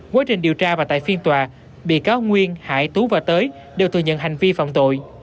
quá trình điều tra và tại phiên tòa bị cáo nguyên hải tú và tới đều thừa nhận hành vi phạm tội